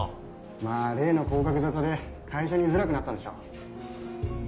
まぁ例の降格沙汰で会社に居づらくなったんでしょ。